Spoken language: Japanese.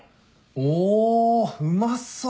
おうまそう！